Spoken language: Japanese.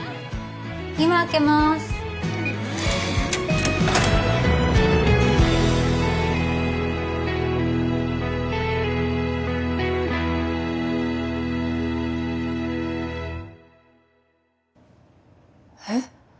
今開けますえっ？